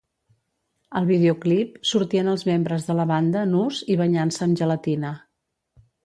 Al videoclip sortien els membres de la banda nus i banyant-se amb gelatina.